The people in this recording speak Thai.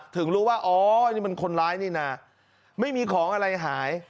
ถึงรู้ว่าอ๋อนี่มันคนร้ายนี่นะไม่มีของอะไรหาย